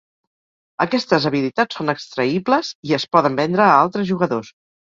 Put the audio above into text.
Aquestes habilitats són extraïbles i es poden vendre a altres jugadors.